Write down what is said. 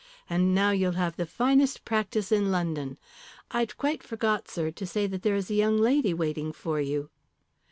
And now you'll have the finest practice in London. I'd quite forgot, sir, to say that there is a young lady waiting for you."